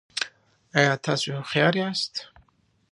ایا تاسو هوښیار یاست؟